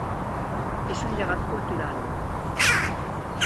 És un llegat cultural.